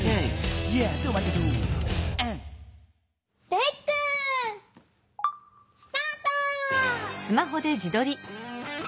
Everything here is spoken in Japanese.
レックスタート！